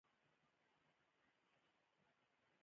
ایا زه باید نسوار وکړم؟